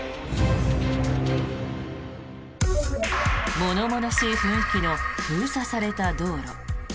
物々しい雰囲気の封鎖された道路。